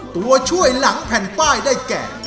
ตัวช่วยหลังแผ่นป้ายได้แก่